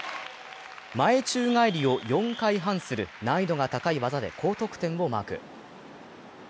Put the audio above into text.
前宙返りを４回半する難易度が高い技で高得点をマーク。